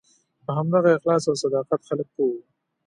په همدغه اخلاص او صداقت خلک پوه وو.